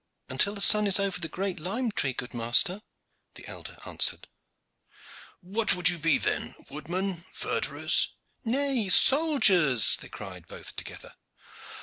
"Until the sun is over the great lime tree, good master," the elder answered. "What would ye be, then? Woodmen? Verderers?" "Nay, soldiers," they cried both together.